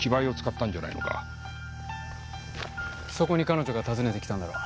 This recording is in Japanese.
そこに彼女が訪ねて来たんだろ？